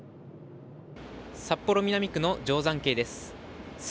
札幌・南区の定山渓です。